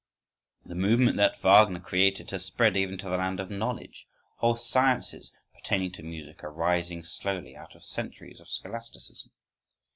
… The movement that Wagner created has spread even to the land of knowledge: whole sciences pertaining to music are rising slowly, out of centuries of scholasticism.